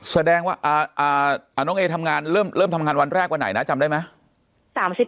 แสดงว่าน้องเอทำงานเริ่มทำงานวันแรกวันไหนนะจำได้ไหม